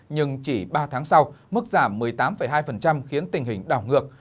nhưng chỉ ba tháng sau mức giảm một mươi tám hai khiến tình hình đảo ngược